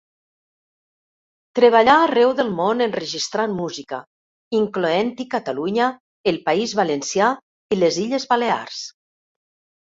Treballà arreu del món enregistrant música, incloent-hi Catalunya, el País Valencià i les Illes Balears.